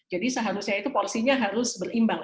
jadi seharusnya itu porsinya harus berimbang